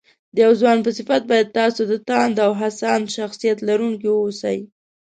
د يو ځوان په صفت بايد تاسو د تاند او هڅاند شخصيت لرونکي واوسئ